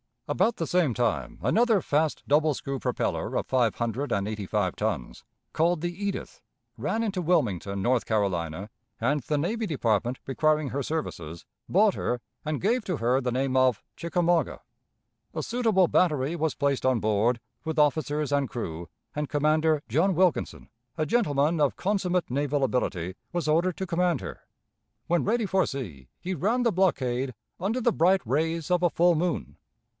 About the same time another fast double screw propeller of five hundred and eighty five tons, called the Edith, ran into Wilmington, North Carolina, and the Navy Department requiring her services, bought her and gave to her the name of "Chickamauga." A suitable battery was placed on board, with officers and crew, and Commander John Wilkinson, a gentleman of consummate naval ability, was ordered to command her. When ready for sea, he ran the blockade under the bright rays of a full moon.